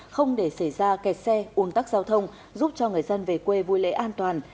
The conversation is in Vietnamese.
không để xảy ra kẹt xe uống tắc giao thông giúp cho người dân về quê vui lễ an toàn